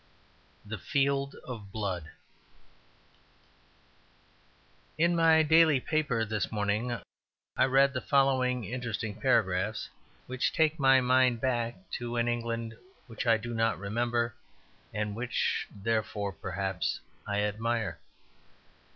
The Field of Blood In my daily paper this morning I read the following interesting paragraphs, which take my mind back to an England which I do not remember and which, therefore (perhaps), I admire.